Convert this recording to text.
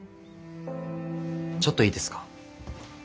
ちょっといいですか？